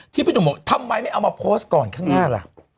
พี่หนุ่มบอกทำไมไม่เอามาโพสต์ก่อนข้างหน้าล่ะ